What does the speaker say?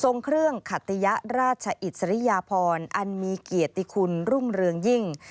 เครื่องขัตยราชอิสริยพรอันมีเกียรติคุณรุ่งเรืองยิ่ง